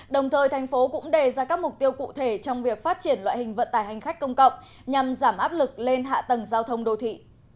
đồng thời thành phố cũng đề ra các mục tiêu cụ thể trong việc phát triển loại hình vận tải hành khách công cộng nhằm giảm áp lực lên hạ tầng giao thông đô thị